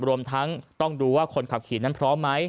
รวมทั้งต้องดูว่าคนขับขี่นั้นพร้อมไหม